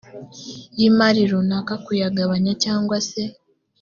y imari runaka kuyagabanya cyangwa se